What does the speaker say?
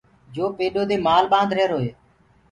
يو پيڏو دي مآل ڀند ريهرو هي۔